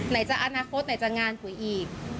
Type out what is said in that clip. ไหนจะอนาคตไหนจะงานปุ๋ยอีก